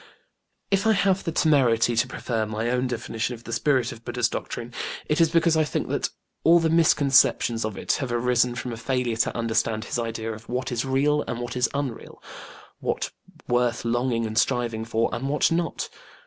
If I have the temerity to prefer my own definition of the spirit of BudĖĢdĖĢha's doctrine, it is because I think that all the misconceptions of it have arisen from a failure to understand his idea of what is real and what is unreal, what worth longing and striving for and what not.